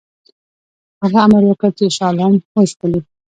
هغه امر وکړ چې شاه عالم وژغوري.